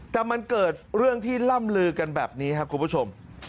แต่มันเกิดเรื่องที่ล่ำลือกันแบบนี้ครับคุณผู้ชม